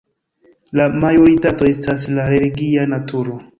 La majoritato estas de religia naturo.